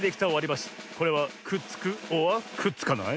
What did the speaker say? これはくっつくｏｒくっつかない？